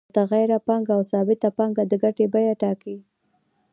متغیره پانګه او ثابته پانګه د ګټې بیه ټاکي